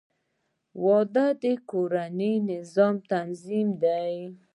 • واده د کورني نظام تنظیم دی.